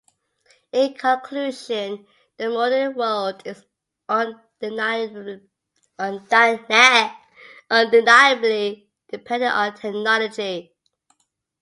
In conclusion, the modern world is undeniably dependent on technology.